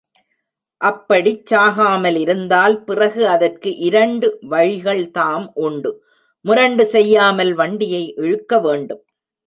அப்படிச் சாகாமலிருந்தால், பிறகு அதற்கு இரண்டு வழிகள் தாம் உண்டு முரண்டு செய்யாமல் வண்டியை இழுக்கவேண்டும்.